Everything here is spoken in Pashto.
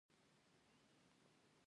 لوړ بوټي د غرونو په سرونو کې وده کوي